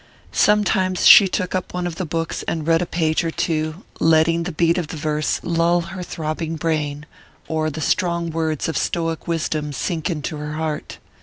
Sometimes she took up one of the books and read a page or two, letting the beat of the verse lull her throbbing brain, or the strong words of stoic wisdom sink into her heart.